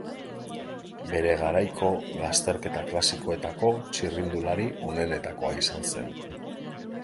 Bere garaiko lasterketa klasikoetako txirrindulari onenetakoa izan zen.